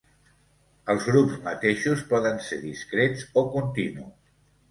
Els grups mateixos poden ser discrets o continus.